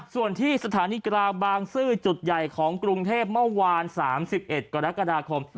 ส่วนที่สถานีกลางบางซื่อจุดใหญ่ของกรุงเทพเมื่อวาน๓๑กรกฎาคม